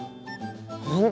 本当？